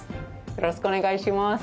よろしくお願いします